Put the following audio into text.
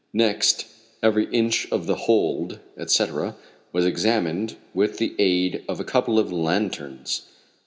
Next, every inch of the hold, etc., was examined, with the aid of a couple of lanterns.